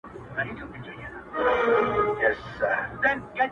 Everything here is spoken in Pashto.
داسي يوه چا لكه سره زر تر ملا تړلى يم~